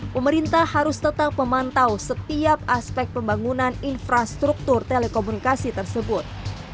pemerintah harus tetap memantau setiap aspek pembangunan infrastruktur telekomunikasi tersebut